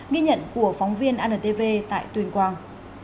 ghi nhận của phóng viên antv tại tuyên quang